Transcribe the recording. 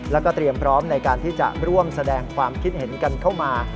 แล้วก็เตรียมพร้อมในการที่จะร่วมแสดงความคิดเห็นกันเข้ามา